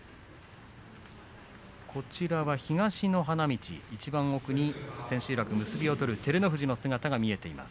東の花道、いちばん奥に千秋楽結びを取る照ノ富士の姿が見えています。